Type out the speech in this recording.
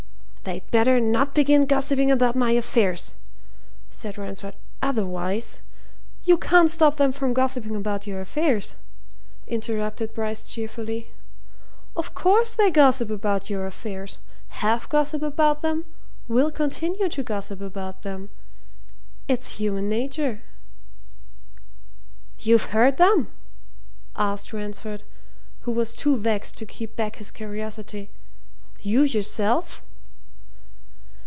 "They'd better not begin gossiping about my affairs," said Ransford. "Otherwise " "You can't stop them from gossiping about your affairs," interrupted Bryce cheerfully. "Of course they gossip about your affairs; have gossiped about them; will continue to gossip about them. It's human nature!" "You've heard them?" asked Ransford, who was too vexed to keep back his curiosity. "You yourself?"